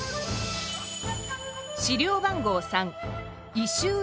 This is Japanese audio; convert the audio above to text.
資料番号